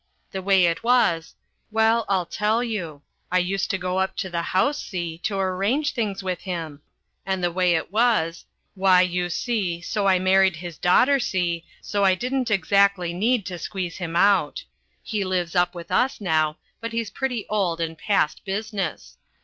The way it was well, I tell you I used to go up to the house, see, to arrange things with him and the way it was why, you see, I married his daughter, see, so I didn't exactly need to squeeze him out. He lives up with us now, but he's pretty old and past business.